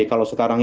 kalau sekarang ya